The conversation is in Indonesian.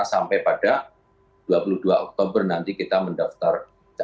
sampai pada dua puluh dua oktober nanti kita mendaftar